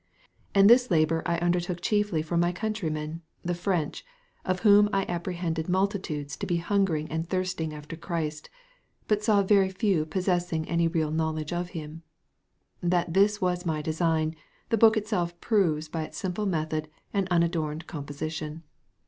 And this labour I undertook chiefly for my countrymen, the French, of whom I apprehended multitudes to be hungering and thirsting after Christ, but saw very few possessing any real knowledge of him. That this was my design, the book itself proves by its simple method and unadorned composition.